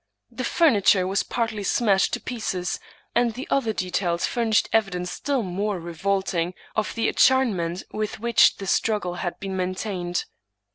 The furniture was partly smashed to pieces, and the other details furnished evidence still more revolting of the acharnemeni with which the struggle had been maintained.